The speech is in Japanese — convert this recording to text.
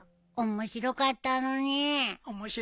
面白かったのに。